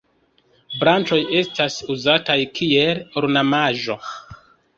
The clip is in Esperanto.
Branĉoj estas uzataj kiel ornamaĵo.